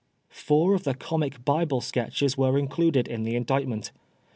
Four of the Comic Bible Sketches were included in the Indictment.